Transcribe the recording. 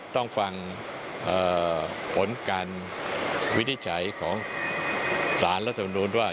ต้องฟังผลการวินิจฉัยของศาลรัฐธรรมนูลว่า